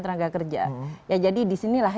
tenaga kerja ya jadi disinilah